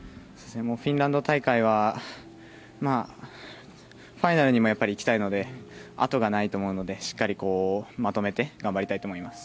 フィンランド大会はファイナルにも行きたいのであとがないと思うのでしっかりまとめて頑張りたいと思います。